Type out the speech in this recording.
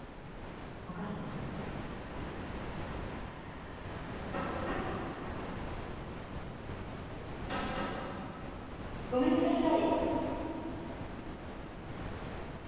お母さんが。ごめんください。